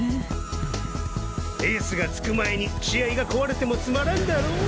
エースが着く前に試合が壊れてもつまらんだろ？